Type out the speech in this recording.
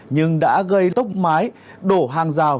nhưng đã gây tốc mái đổ hang rào